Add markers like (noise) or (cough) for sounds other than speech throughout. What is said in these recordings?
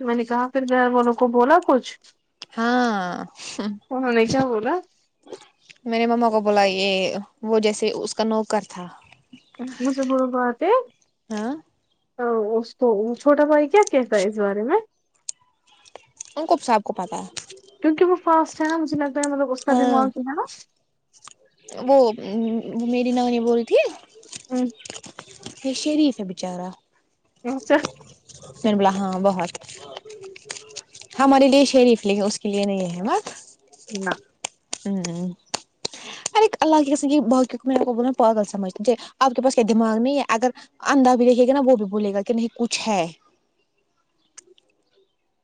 تو میں نے کہا پھر گھر والوں کو بولا کچھ ہاں انہوں نے کیا بولا میرے مما کو بولا یہ وہ جیسے اس کا نوکر تھا یہ سب بڑوں بات ہے ہاں اس کو چھوٹا بھائی کیا کہتا ہے اس بارے میں ان کو سب کو پتاہ ہے کیونکہ وہ فاسٹ ہے نا مجھے لگتا ہے مطلب اس کا ہاں دماغ جو ہے نا وہ وہ میری نانی بول رہی تھی ہوں یہ شریف ہے بچارا اچھا شرمیلا ہاں بہت ہمارے لیے شریف لیکن اس کے لیے نہیں ہے ما نہ ہم (unintelligible) ار اللہ کیس با پاگل سمجھ آپ کے پاس کیا دماغ نہیں ہے اگر اندھا بھی دیککھے گا نا وہ بھی بھولے گا کہ نہیں کچھ ہے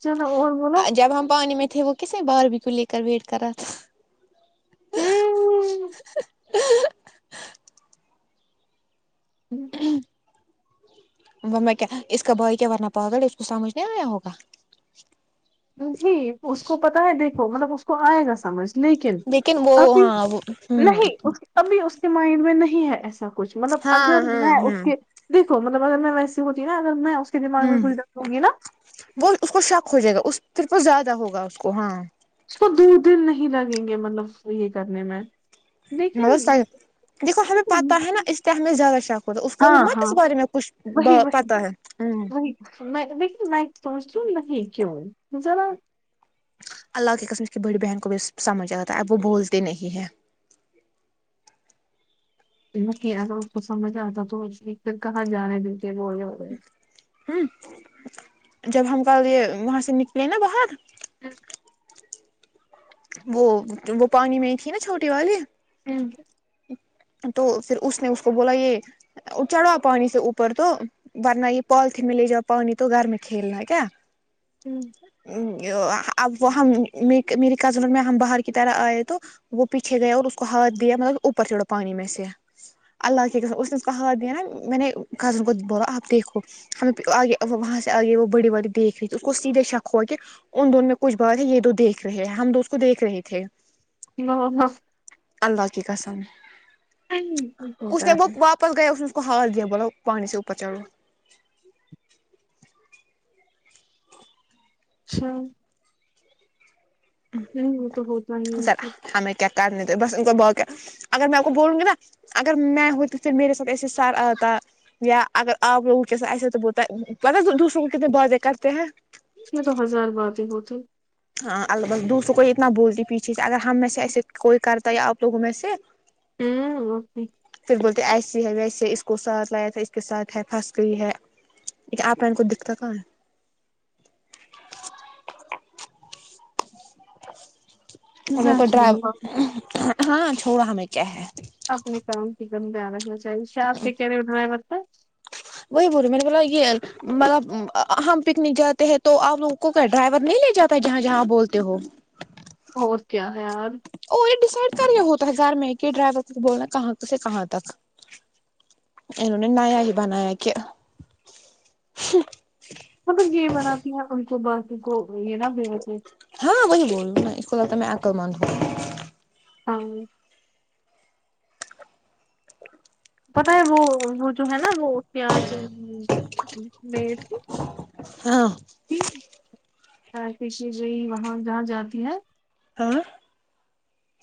چلو اور بولو جب ہم پانی میں تھے وہ کسی بارب کو لے کر ویٹ کر رہا تھا ہم وہ میں کیا اس کا بھائی کیا پاگل ہے اس کو سمجھ نہیں آیا ہوگا جی اس کو پتا ہے دیکھو مطلب اس کو آئے گا سمجھ لیکن وہ ابھی ہاں وہ ہوں نہیں ابھی اس کے مائنڈ میں نہیں ہے ایسا کچھ مطلب ہاں اگر ہاں میں اس ہاں کے دیکھو مطلب اگر میں ویسی ہوتی نا اگر میں اس کے دماغ میں ہوں کھ در ہووںی نا وہ اس کو شک ہو جائے گا اس پ کو زیادہ ہوگا اس کو ہاں اس کو دور دن نہیں لگیں گے مطلب یہ کرنے میں مطلب لیکن صحیح دیکھو ہمیں پتا ہے نا اس کیا ہمیں زیادہ شوق ہوتا اس کو ہاں مت اس ہاں بارے میں کچھ وہی وہی پتا ہے ہ وہی میں دیک میں (unintelligible) لوں نہیں کیوں ذرا اللہ کی قسم اس کی بڑی بہن کو بھی سمجھ آاتا ہے اب وہ بولتے نہیں ہیں میں کہ اگر اس کو سمجھ آتا تو پھر کہاں جانے دیتے وہول ہ جب ہم کل یہ وہاں سے نکلے نا باہر وہ وہ پانی میں ہی تھی نا چھوٹی والی ہم تو پھر اس نے اس کو بولا یہ چڑھوا پانی سے اوپر تو ورن یہ فالتین میں لے جاؤ پانی تو گھر میں کھیلنا ہے کیا (unintelligible) سل میں ہم باہر کی طرح آئے تو وہ پیچھے گئے اور اس کو ہاتھ دیا مطلب اوپر چھڑا پانی میں سے اللہ کے قسم اس نےوا دیا نا میں نے کزن کو بولا آپ دیکھو ہمیں آگے وہاں سے آگے وہ بڑی بڑی دیکھ رہی تھی اس کو سیدھے شک ہو کے ان دون میں کچھ بات ہے یہ دو دیکھ رہے ہیں ہم دو اس کو دیکھ رہے تھے ہ ہاں اللہ کی قسم اس نے ہوتا ہے۔ وہ واپ پہر گیا اس کو ہاتھ دیا پانی سے اپر چڑو اچھا نہیں وہ (unintelligible) تو ہوتا ہی ہے، اس اگر میں کو بولوں گی نا اگر میں ہئی تو پھر میرے ساتھ ایسے سار آتا یا اگر آپ لوگوں کیسا ایسے تو بولتا پتا دوسروں کو کتنے باتے کرتے ہیں چ تو ہزار باتیں ہوتے ہاں البت دوسروں کو اتنا بولتی پیچھے سے اگر ہم میں سے ایسے کوئی کرتا ہےیا آپ لوگوں میں سے ہوں اوکی پھر بولتے ایسیے ہے ویسی ہے اس کو ساتھ لایا تھا اس کے ساتھ ہے پھنس گئی ہے ل آپ نے کو دکھتا کہاں اور سچ ڈرائی بولو، ہاں چھوڑا ہمیں کیا ہے اپنے کام کی دم دان رکھنا چاہیے شاپ پ کے کہہے بنا ہے پطتا وہی بوری مینے بولا مطلب ہم پکنک جاتے ہیں تو آپ لوگوں کو کیا ڈرائیور نہیں لے جاتا جہاں جہاں بولتے ہو اور کیا ہے یار ا یہ ڈیسائڈ کری ہوتا ہے گھر میں کہ ڈرائیور کو بولنا کہاں سے کہاں تک اننوں نے نیا ہی بنایا کہ مطلب یہ بناتی ہیں ان کو باقی کو یہ نا بے ہاں وہی بول رہوں میں اس کولکتا میں آکل ماندوں ہاں پتا ہے وہ وہ جو ہے نا وہ پیاز میںٹھی ہاں شی وہاں جہاں جاتی ہے ہاں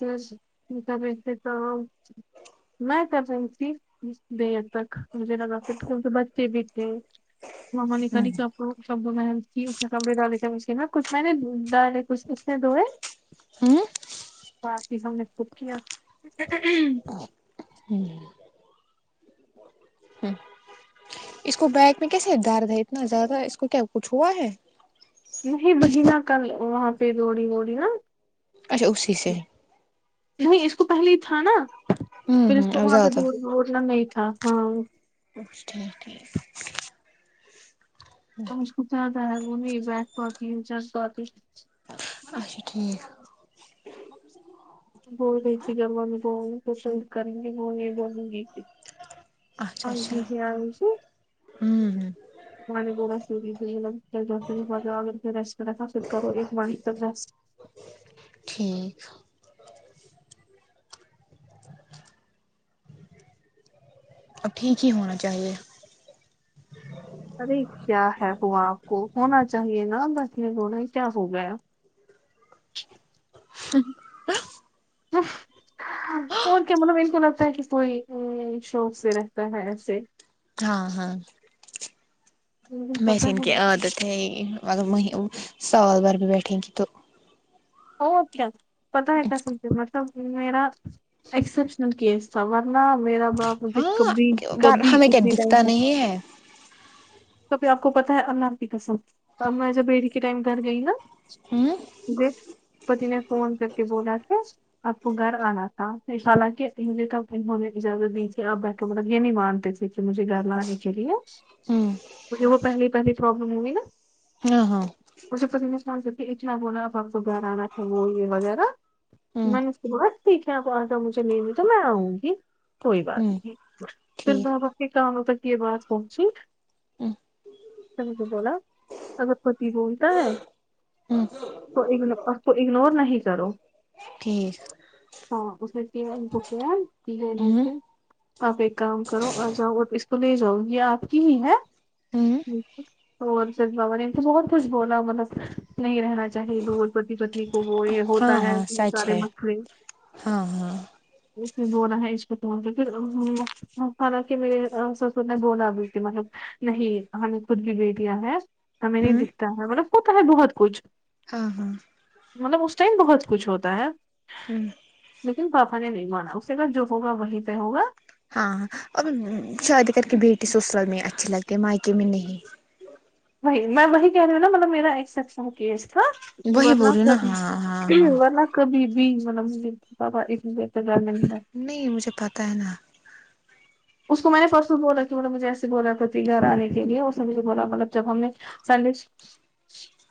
بسبتے تو نہیں تبتی بے حد تک مجھے نہگگتے تو بچے بھی تھے ما نے کری کپ کو شب محنل کی اس میں کپڑے ڈالے تھ مشین میں کچھ میں نے ڈالے کچھ سی دئے ہوں بقی ہم نے خود کیا ہ اس کو بیگ میں کیسے درد ہے اتنا زیادہ اس کو کیا کچھ ہوا ہے نہیں بہ نا کل وہاں پہ دوڑی دوڑی نا اچھا اسی سے نہیں اس کو پہلے ہی تھا نا ہوں پھر اس ہوں کو اب وہاں زیادہ پہور دوڑنا نہیں تھا ہاں اچ ٹھیک ٹھیک کتاتا نہیں بٹ کرتی اچھا ٹھیک (unintelligible) پسند کریں گی وہ یہ بولوں گی کہ اچھا ہاں اچھا جی ج آی سے ہوں ہ انی دون ریسٹ کرھر کرو ایک مانی ج ٹھیک اب ٹھیک ہی ہونا چاہیے ارے کیا ہے وہ آپ کو ہونا چاہیے نا بس یہ رونا کیا ہو گیا ہ اور کیا مطلب ان کو لگتا ہے کہ کوئی شوق سے رہتا ہے ایسے ہاں ہاں لیکن میں پتہ سین کے ہے آ مگر مہی سال بھر بھی بیٹھے کہ تو اور اچ کیا پتا ہے کا سم مطلب میرا ایکسپشنل کیس تھا ورنہ میرا باپج کبھی ہاں کبھی ہمیں کیا اتنے ٹائم دکھتا تک نہیں ہے توبھر آپ کو پتا ہے اللہ حافی کا سبھ میں جب بیڑی کے ٹائم گھر گئی نا ہاں مے پتی نے فون کر کے بولا تھا آپ کو گھر آنا تھا حالانکہجھے تب انہوں نے اجازت دی تھی آپ بٹ کے مطلب یہ نہیں مانتے تھے مجھے گھر لانے کے لیے ہاں مجھے وہ پہلی پہلی پروابلم ہوئی نا ہاں ہاں مجھے پت نہیں سمج ستے اتنا بونا ب تو گھرانا تھا وہ یہ وغیرہ ہوں میں نے اس کے بعد سیکھ ہے آپ آگ مجھے لے ہوئی تو میں آؤں گی کوئی بات ہوں نہیں پھر ٹھیک ماں باپ کے کاموں تک یہ بات پہنچی اچھا مجھے بولا اگر پتی بولتا ہے ہوں آ کو اگنور نہیں کرو ٹھیک ہاں اس میں (inaudible) ہوں آپ ایک کام کرو آ جاؤ اور اس کو لے جاؤں گی آپ کی ہی ہے ہوں اور سد بابا نے تو بہت کچھ بولا مطلب نہیں رہنا چاہیے دور پتی پتنی کو وہ یہ ہاں ہوتا ہے ہاں سچ سارے ہے مسلے ہاں ہاں پھر دو رہا ہے عشق سے پھر اماآ ہ حالک میرری سسور نے بولا ابھی کی مطلب نہیں ہمیں خود بھی بی دیا ہے ہمیں نہیں ہوں دکھتا ہے مطلب ہوتا ہے بہت کچھ ہاں ہاں مطلب اس ٹائم بہت کچھ ہوتا ہے ہوں لیکن پاپا نے نہیں مانا اس نے کہا جو ہوگا وہی پہ ہوگا ہاں ہاں ا شادی کر کے بیٹی سسرال میں اچھی لگتی مائکے میں نہیں وہی میں وہی کہہ رہی ہوں نا مطلب میرا ایکسپشن کیس تھا وہی ورنہ بول رہی ہو نا ہاں ہاں ہاں کبھی (inaudible) نہیں مجھے پتاہ ہے نا اس کو میں نے پرس بولا کہ بولے مجھے ایسے بولا توھی گھر آنے کے لیے اس نے مجھے بولا مطلب جب ہم نے سندش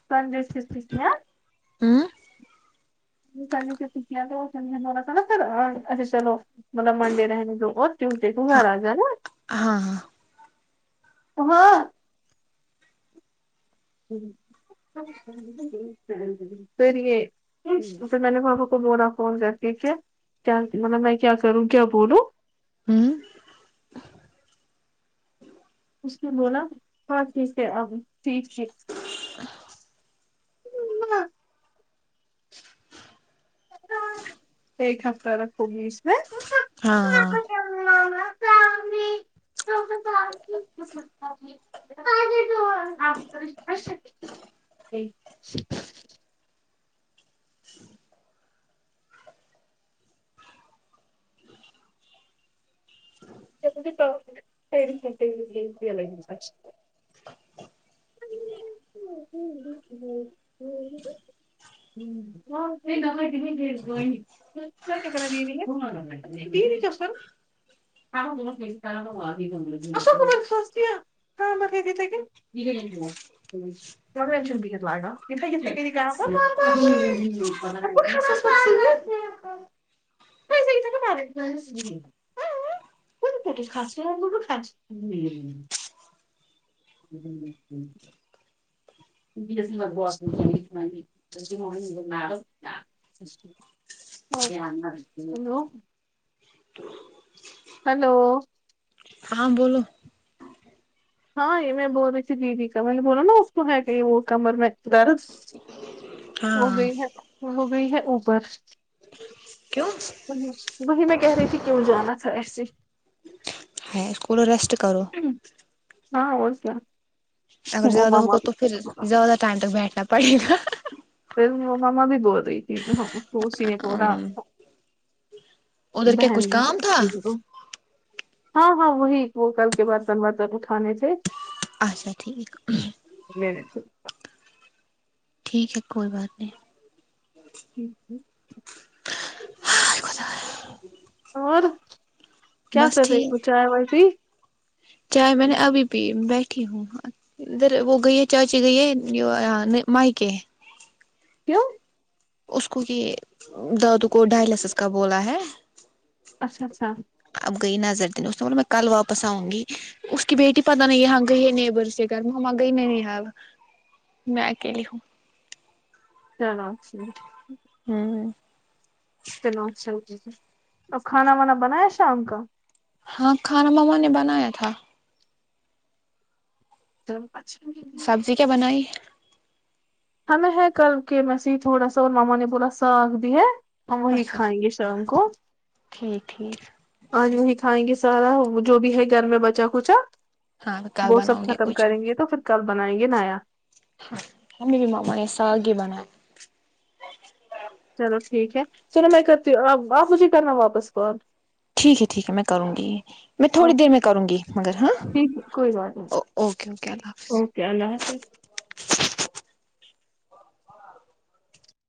سندیش کس نے ہوں (unintelligible) چلو مطلب منڈے رہنے دو اور ٹیوزڈے کو ہاں گھر آ جا نا ہاں ہاں ہاں (unintelligible) پھر یہ میں نے بابا کو بولا کے فون کرکے پھر کیا مطلب میں کیا کروں کیا بولوں ہوں اس نے بولا ہاں ٹھیک ہے ابھی ٹھیک ٹھیک ہے ایک ہفتہ رکھو گی اس میں ہاں ہاں (inaudible) (inaudible) (inaudible) (unintelligible) پھر گئ (unintelligible) (unintelligible) (unintelligible) (unintelligible) (unintelligible) (unintelligible) (unintelligible) ہ ہ (unintelligible) ہلو ہلو ہاں بولو ہاں یہ میں بول رہی تھی جی جی کاممیں نے بولا نا اس تو ہے کہ یہ وہ کمر میں در وہ ہاں گئی ہے وہ گئی ہے اوپر کیوں وہی وہی میں کہہ رہی تھی کیوں جانا تھا ایسے ہیں توڑا ریسٹ کرو ہمم ہاں اور کیا اگر وہ زیادہ ہوگا ماما تو پھر زیادہ ٹائم تک بیٹھنا پڑے گا (unintelligible) ادھر کیا بہن کچھ میں کام تھا (unintelligible) ہاں ہاں وہی وہ کل کے برتن ورتن اٹھانے تھے اچھا ٹھیک میرے تہے اوپر ٹھیک ہے کوئی بات نہیں ہوں ہوں اور کیا بس کر رہے ٹھیک ہو چائے وائے پی چائے میں نے ابھی بھی بیٹھی ہوں ادھر وہ گئی ہے چاچی گئی ہے مائکے کیوں اس کو کہ دادو کو ڈائلسس کا بولا ہے اچھا اچھا اب گئی نظر دنے اس کو بولا میں کل واپس آوں گی اس کی بیٹی پتہ نہیں یہاں گئی ہے نیبر کے گھر میں ہماں گئی نہیںاں میں اکیلی ہوں (unintelligible) ہوں ہوں اور کھانا وانا بنایا شام کا ہاں کھانا مما نے بنایا تھا (unintelligible) سبزی کیا بنائی ہے ہمیں ہے کل کے و سے ہی تھوڑا سا اور ماما نے پورا ساگ دی ہے ہم وہی اچھا کھائیں گے شام کو ٹھیک ٹھیک اج وہی کھائیں گے سارا جو بھی ہے گھر میں بچا کچا ہاں کل وہ سب بناؤں گے ختم کچھ کریں گے تو پھر کل بنائیں گے نایا ہاں ہم بھی مما نے ساگ ہی بنایا چلو ٹھیک ہے چلو میں کرتی ہوں اپ مجھے کرنا واپس کال ٹھیک ہے ٹھیک ہے میں کروں گی میں تھوڑی دیر میں کروں گی مگر ہاں ٹھیک کوئی بات نہیں او اوکے اوکے اللہ حافظ اوکے اللہ حافظ